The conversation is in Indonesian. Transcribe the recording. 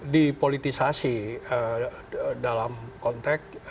dipolitisasi dalam konteks